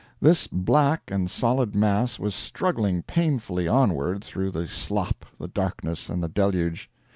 This black and solid mass was struggling painfully onward, through the slop, the darkness, and the deluge.